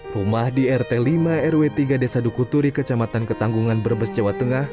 rumah di rt lima rw tiga desa dukuturi kecamatan ketanggungan brebes jawa tengah